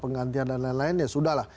penggantian dan lain lain ya sudah lah